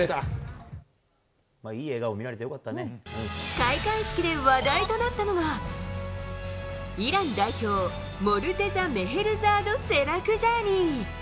開会式で話題となったのがイラン代表、モルテザ・メヘルザードセラクジャーニー。